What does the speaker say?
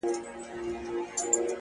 اوس لا د گرانښت څو ټكي پـاتــه دي!